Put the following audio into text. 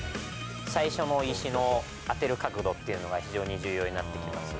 最初の石の当てる角度というのが非常に重要になってきます。